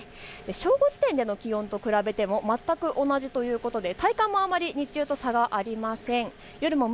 正午時点での気温と比べても全く同じということで体感もあまり日中と差がありません。